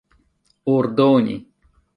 ordoni